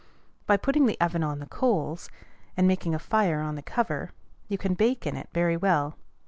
By putting the oven on the coals, and making a fire on the cover, you can bake in it very well.